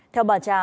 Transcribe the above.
theo bà trà